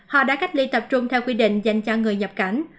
họ đã cách ly tập trung theo quy định dành cho người nhập cảnh